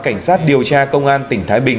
cảnh sát điều tra công an tỉnh thái bình